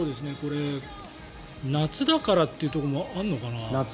夏だからっていうところもあるのかな。